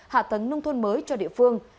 hạ tấng nông thôn mới cho địa phương